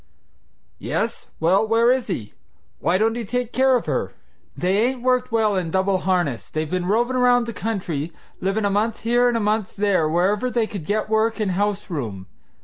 "Yes; well, where is he? Why don't he take care of her?" "They ain't worked well in double harness. They've been rovin' round the country, livin' a month here and a month there wherever they could get work and house room.